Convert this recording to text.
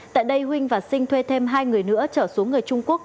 tại đây huynh và sinh thuê thêm hai người nữa trở xuống người trung quốc